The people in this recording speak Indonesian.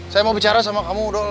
saya mau bicara sama kamu